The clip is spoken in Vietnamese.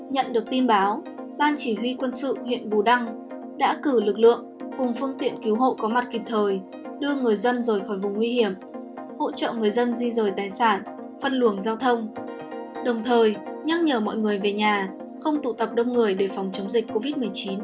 nhận được tin báo ban chỉ huy quân sự huyện bù đăng đã cử lực lượng cùng phương tiện cứu hộ có mặt kịp thời đưa người dân rời khỏi vùng nguy hiểm hỗ trợ người dân di rời tài sản phân luồng giao thông đồng thời nhắc nhở mọi người về nhà không tụ tập đông người để phòng chống dịch covid một mươi chín